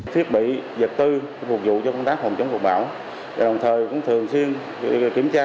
thiết bị dịch tư phục vụ cho công tác phòng chống cục bão đồng thời cũng thường xuyên kiểm tra